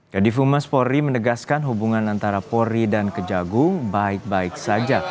kadifumas pori menegaskan hubungan antara pori dan kejagung baik baik saja